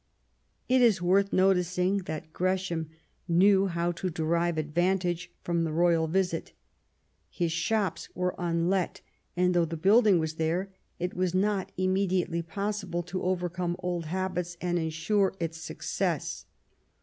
It is worth noticing that Gresham knew how to derive advantage from the royal visit His shops were unlet ; and though the building was there it was not immediately possible to overcome old habits and ensure its success.